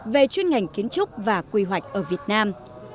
về chuyên ngành kiến trúc và quy hoạch ở việt nam